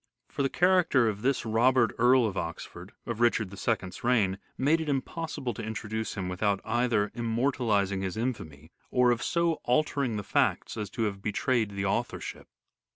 For the character of this Robert, Earl of Oxford, of Richard II's reign, made it impossible to introduce him without either immortalizing his infamy or of so altering the facts as to have betrayed the authorship.